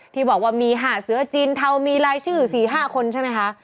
ที่บอกว่ามี๕เสือจีนเทามีรายชื่อ๔๕คนใช่ไหมคะ